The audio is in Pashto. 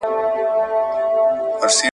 د تعویذ اغېز تر لنډي زمانې وي !.